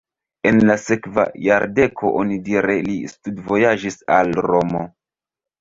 En la sekva jardeko onidire li studvojaĝis al Romo.